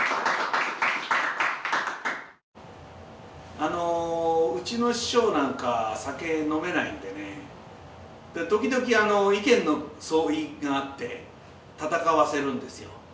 あのうちの師匠なんか酒飲めないんでね時々意見の相違があって戦わせるんですよ。